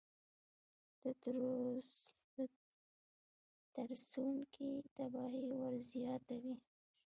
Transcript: د ترسروونکي تباهي ورزیاتوي.